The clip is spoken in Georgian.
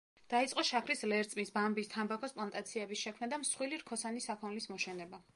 დაიწყო შაქრის ლერწმის, ბამბის, თამბაქოს პლანტაციების შექმნა და მსხვილი რქოსანი საქონლის მოშენება.